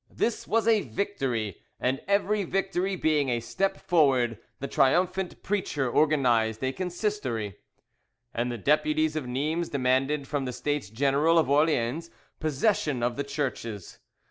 This was a victory, and every victory being a step forward, the triumphant preacher organised a Consistory, and the deputies of Nimes demanded from the States General of Orleans possession of the churches.